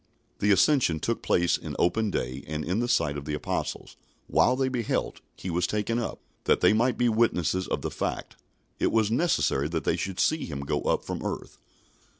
" The Ascension took place in open day and in the sight of the Apostles. "While they beheld, he was taken up." That they might be witnesses of the fact, it was necessary that they should see Him go up from earth.